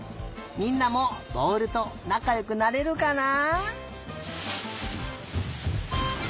みんなもぼおるとなかよくなれるかな？